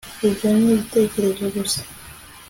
ibyo ni ibitekerezo gusa